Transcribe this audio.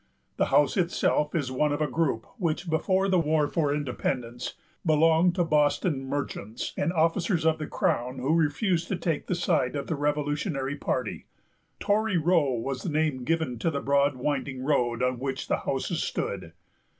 The house itself is one of a group which before the war for independence belonged to Boston merchants and officers of the crown who refused to take the side of the revolutionary party. Tory Row was the name given to the broad winding road on which the houses stood.